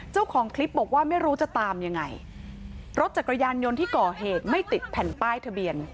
เจ้าของคลิปบอกว่าไม่รู้จะตามยังไงรถจักรยานยนต์ที่ก่อเหตุไม่ติดแผ่นป้ายทะเบียน